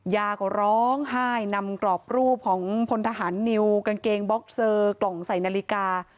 ยาก็ร้องไห้นำกรอบรูปของพลทหารนิวกางเกงบ็อกเซอร์กล่องใส่นาฬิกา